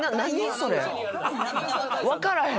わからへん。